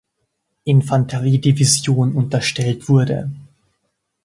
Infanterie-Division unterstellt wurde.